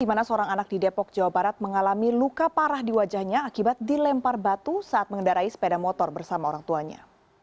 di mana seorang anak di depok jawa barat mengalami luka parah di wajahnya akibat dilempar batu saat mengendarai sepeda motor bersama orang tuanya